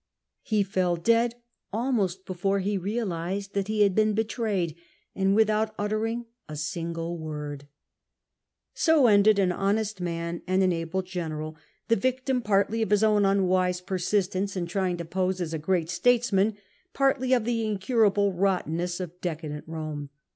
He fell dead almost before he realised that he had been betrayed, and without uttering a single word. So ended an honest man and an able general, the victim 288 POMPEY partly of his own unwise persistence in trying to pose as a great statesman, partly of the incurable rottenness of decadent Eome.